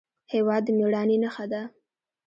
هېواد د مېړانې نښه ده.